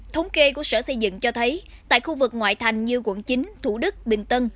thống kê của sở xây dựng cho thấy tại khu vực ngoại thành như quận chín thủ đức bình tân